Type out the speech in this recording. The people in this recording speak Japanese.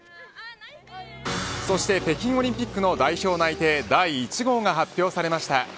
そして北京オリンピックの代表内定第１号が発表されました。